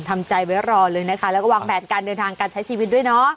ทำใจไว้รอเลยนะคะแล้วก็วางแผนการเดินทางการใช้ชีวิตด้วยเนาะ